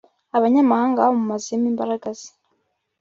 abanyamahanga bamumazemo imbaraga ze